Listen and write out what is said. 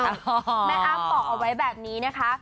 แม่อ้ำบอกเอาไว้แบบนี้นะคะ